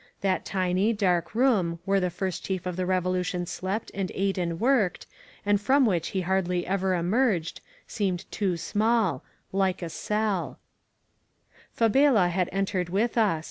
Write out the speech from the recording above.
That tiny, dark room, where the First Chief of the ReToln tion slept and ate and worked, and from which he hardly erer emerged, seemed too small — like a ceBL Fabela had entered with ns.